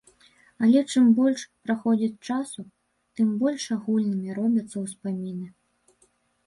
Але чым больш праходзіць часу, тым больш агульнымі робяцца ўспаміны.